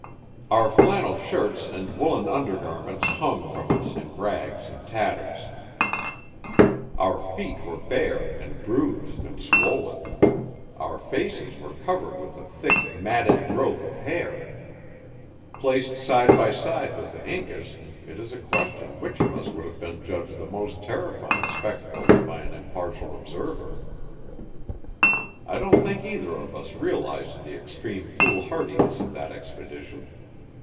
Our flannel shirts and woolen undergarments hung from us in rags and tatters. Our feet were bare and bruised and swollen. Our faces were covered with a thick, matted growth of hair. Placed side by side with the Incas it is a question which of us would have been judged the most terrifying spectacles by an impartial observer. I don't think either of us realized the extreme foolhardiness of that expedition.